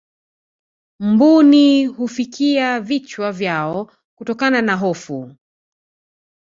mbuni hufukia vichwa vyao kutokana na hofu